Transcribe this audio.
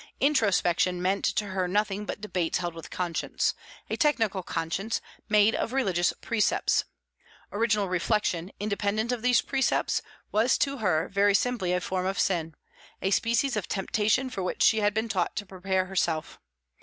Introspection meant to her nothing but debates held with conscience a technical conscience, made of religious precepts. Original reflection, independent of these precepts, was to her very simply a form of sin, a species of temptation for which she had been taught to prepare herself.